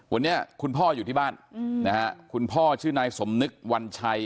วันนี้คุณพ่ออยู่ที่บ้านนะฮะคุณพ่อชื่อนายสมนึกวันชัย